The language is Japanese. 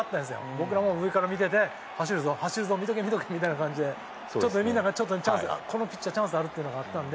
僕らも上から見てて「走るぞ走るぞ見とけ見とけ」みたいな感じでみんなが「このピッチャーチャンスある」っていうのがあったんで。